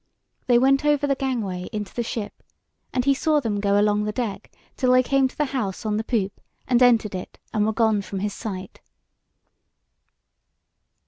They went over the gangway into the ship, and he saw them go along the deck till they came to the house on the poop, and entered it and were gone from his sight.